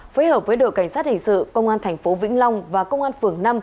phối hợp với đội cảnh sát hình sự công an thành phố vĩnh long và công an phường năm